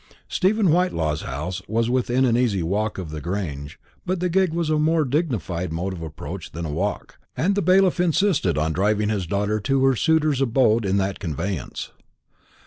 Stephen Whitelaw's house was within an easy walk of the Grange; but the gig was a more dignified mode of approach than a walk, and the bailiff insisted on driving his daughter to her suitor's abode in that conveyance.